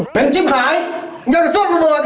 เป็นจิ๊บหายอยากจะซ่อมกันหมด